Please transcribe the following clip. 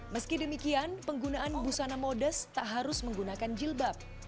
meski demikian penggunaan busana modest tak harus menggunakan jilbab